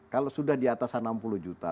kalau sudah di atas enam puluh juta